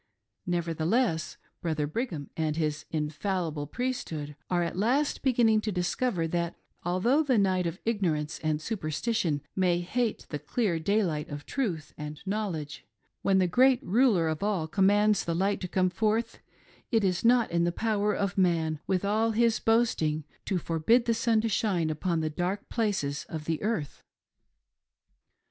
Neverthe less, Brother Brigham and his " Infallible Priesthood " are at last beginning to discover that although the night of igno rance and superstition may hate the clear dayhght of truth and knowledge, when the great Ruler of All commands the light to come forth, it is not in the power of man, with all his boasting, to forbid the sun to shine upon the dark places of the earth.